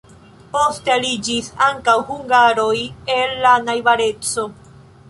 Poste aliĝis ankaŭ hungaroj el la najbareco.